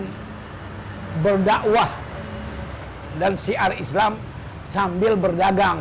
mereka berdakwah dan siar islam sambil berdagang